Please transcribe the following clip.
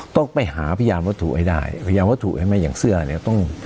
ต้องไปหาพยานวัตถุให้ได้พยานวัตถุใช่ไหมอย่างเสื้อเนี่ยต้อง